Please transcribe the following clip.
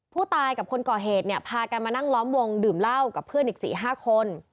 ผู้ตายกับคนก่อเหตุเนี่ยพากันมานั่งล้อมวงดื่มเหล้ากับเพื่อนอีก๔๕คน